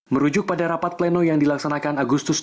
merujuk pada rapat pleno yang dilaksanakan agustus